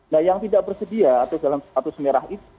nah yang tidak bersedia atau dalam status merah itu